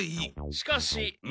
しかし！